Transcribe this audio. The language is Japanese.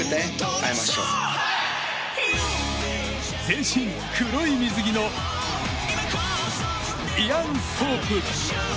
全身黒い水着のイアン・ソープ。